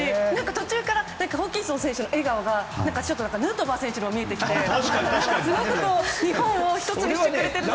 途中からホーキンソン選手の笑顔がヌートバー選手に見えてきて日本を１つにしてくれているなって。